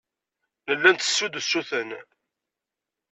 Nella nttessu-d usuten.